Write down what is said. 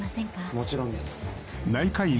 もちろんです。